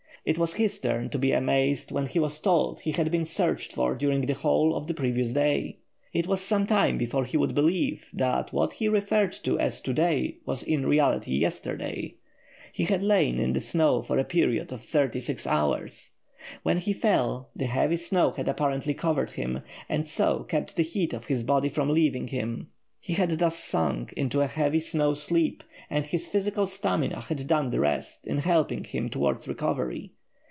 It was his turn to be amazed when he was told he had been searched for during the whole of the previous day. It was some time before he would believe that what he referred to as to day was in reality yesterday. He had lain in the snow for a period of thirty six hours. When he fell, the heavy snow had apparently covered him, and so kept the heat of his body from leaving him. He had thus sunk into a heavy snow sleep, and his physical stamina had done the rest in helping him towards recovery.